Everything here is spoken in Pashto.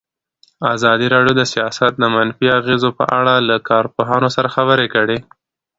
ازادي راډیو د سیاست د منفي اغېزو په اړه له کارپوهانو سره خبرې کړي.